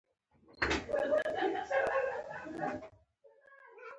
هغه د خپل او برټانیې زور ورته معلوم وو.